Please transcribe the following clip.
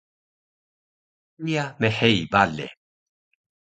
kiya mhei bale